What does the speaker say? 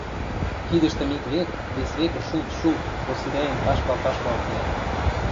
кидӹштӹм ик век, вес векӹ шулт-шулт, косирӓен ташкал-ташкал кеӓт.